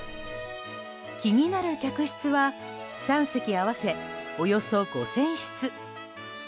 気になる客室は３隻合わせ、およそ５０００室。